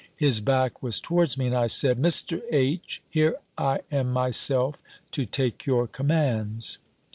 His back was towards me; and I said "Mr. H., here I am myself, to take your commands."